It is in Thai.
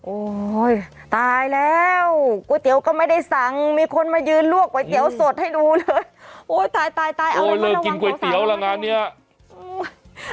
โอ้ยตายแล้วก๋วยเตี๋ยวก็ไม่ได้สั่งมีคนมายืนลวกก๋วยเตี๋ยวสดให้ดูเลยโอ้ยตายเอาเลยมาระวังแก่วแล้วมาดู